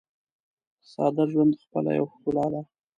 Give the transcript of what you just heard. ساده ژوند خپله یوه ښکلا ده.